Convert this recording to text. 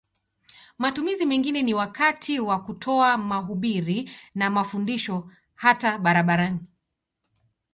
Matumizi mengine ni wakati wa kutoa mahubiri na mafundisho hata barabarani.